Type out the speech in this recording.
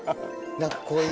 何かこういう。